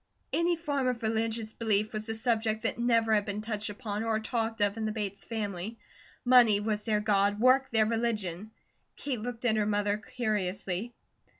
Any form of religious belief was a subject that never had been touched upon or talked of in the Bates family. Money was their God, work their religion; Kate looked at her mother curiously.